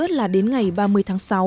tháng nữa là đến ngày ba mươi tháng sáu